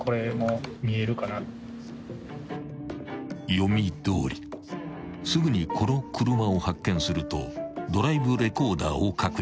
［読みどおりすぐにこの車を発見するとドライブレコーダーを確認］